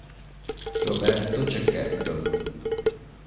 Roberto Cecchetto